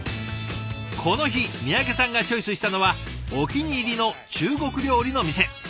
この日三宅さんがチョイスしたのはお気に入りの中国料理の店。